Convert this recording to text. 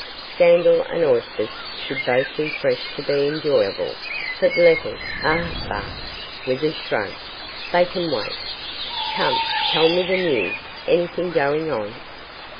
Scandal and oysters should both be fresh to be enjoyable, but letters ah, bah,' with a shrug, 'they can wait. Come, tell me the news; anything going on?